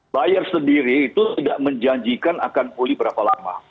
buyer sendiri itu tidak menjanjikan akan pulih berapa lama